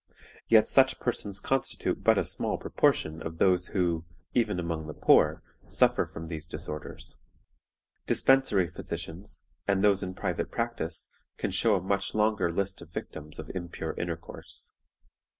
Yet such persons constitute but a small proportion of those who, even among the poor, suffer from these disorders. Dispensary physicians, and those in private practice, can show a much longer list of the victims of impure intercourse.